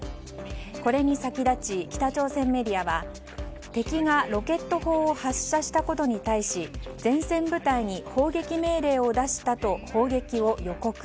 これに先立ち、北朝鮮メディアは敵がロケット砲を発射したことに対し前線部隊に砲撃命令を出したと砲撃を予告。